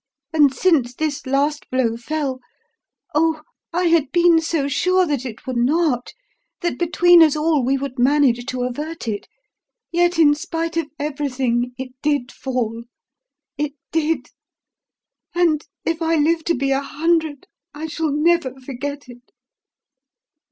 And since this last blow fell.... Oh, I had been so sure that it would not, that between us all we would manage to avert it; yet in spite of everything it did fall it did! and if I live to be a hundred I shall never forget it."